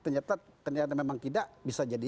ternyata ternyata memang tidak bisa jadi